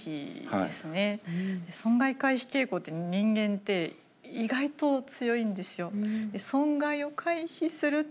損害回避傾向って人間って意外と強いんですよ。